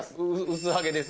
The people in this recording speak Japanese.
薄揚げです。